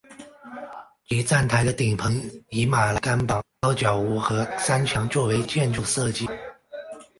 其站台的顶棚以马来甘榜高脚屋和山墙作为其建筑设计。